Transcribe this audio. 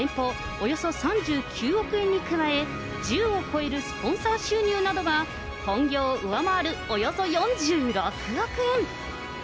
およそ３９億円に加え、１０を超えるスポンサー収入などが本業を上回るおよそ４６億円。